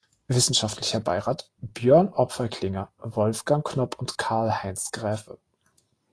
Wissenschaftlicher Beirat: Björn Opfer-Klinger, Wolfgang Knopp und Karl-Heinz Gräfe.